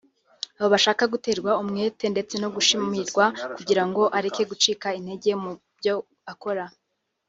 Aba ashaka guterwa umwete ndetse no gushimirwa kugira ngo areke gucika intege mu byo akora